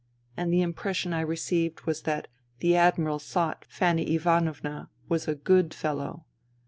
And the impression I received was that the Admiral thought Fanny Ivanovna was a " good fellow."